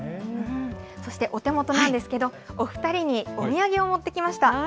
そして、お手元なんですけれども、お二人にお土産を持ってきました。